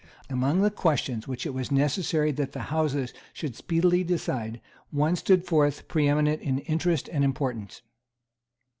Among the questions which it was necessary that the Houses should speedily decide, one stood forth preeminent in interest and importance.